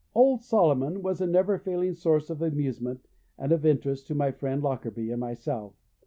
Old Solomon was a never failing source of amusement and of interest to my friend Lockarby and myself.